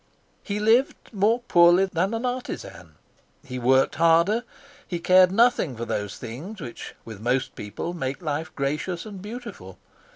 He lived more poorly than an artisan. He worked harder. He cared nothing for those things which with most people make life gracious and beautiful.